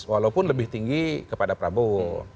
walaupun lebih tinggi kepada prabowo